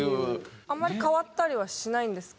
あんまり変わったりはしないんですか？